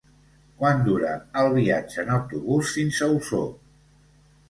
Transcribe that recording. Quant dura el viatge en autobús fins a Osor?